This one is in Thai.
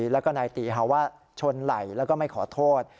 แล้วก็นายตีฮาวะชนไหล่แล้วก็ไม่ขอโทษ